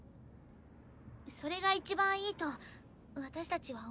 それが一番いいと私たちは思っていました。